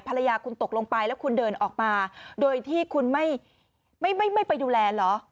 ภรรยาคุณตกลงไปแล้วคุณเดินออกมาโดยที่คุณไม่ไม่ไปดูแลเหรอ